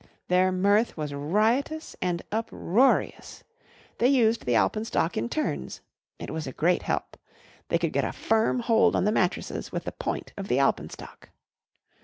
Their mirth was riotous and uproarious. They used the alpenstock in turns. It was a great help. They could get a firm hold on the mattresses with the point of the alpenstock.